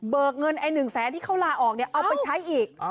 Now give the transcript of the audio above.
เบิกเงิน๑๐๐๐๐๐บาทที่เขาลาออกเอาไปใช้อีก